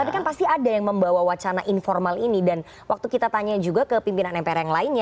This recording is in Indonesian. tapi kan pasti ada yang membawa wacana informal ini dan waktu kita tanya juga ke pimpinan mpr yang lainnya